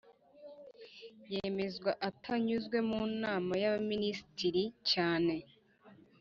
Yemezwa atanyuze mu nama y abaminisitiri cyane